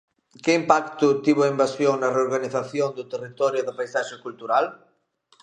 Que impacto tivo a invasión na reorganización do territorio e da paisaxe cultural?